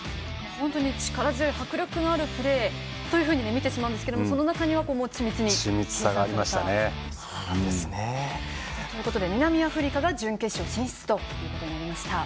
本当に力強い迫力のあるプレーだと見てしまうんですけどその中には緻密さがあったんですね。ということで南アフリカが準決勝進出となりました。